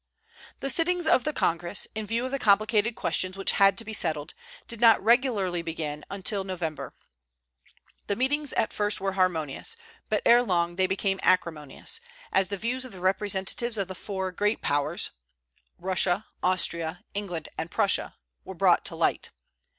The sittings of the Congress, in view of the complicated questions which had to be settled, did not regularly begin till November. The meetings at first were harmonious; but ere long they became acrimonious, as the views of the representatives of the four great powers Russia, Austria, England, and Prussia were brought to light.